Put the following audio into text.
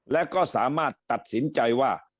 และก็สามารถตัดสินใจว่า